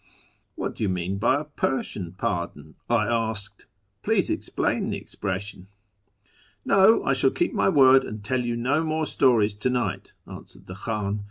What do you mean by a ' Persian pardon ?'" I asked ;" please explain the expression." "No, I shall keep my word and tell you no more stories to night," answered the Khan.